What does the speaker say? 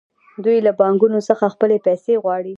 دوی له بانکونو څخه خپلې پیسې غواړي